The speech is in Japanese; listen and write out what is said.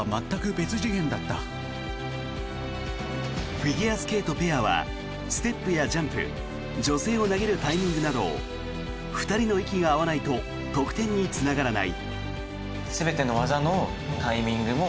フィギュアスケートペアはステップやジャンプ女性を投げるタイミングなど２人の息が合わないと得点につながらない。